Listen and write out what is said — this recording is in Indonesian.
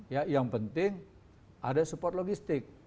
ya yang penting ada support logistik